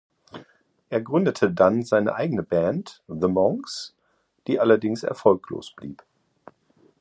Er gründete dann seine eigene Band "The Monks", die allerdings erfolglos blieb.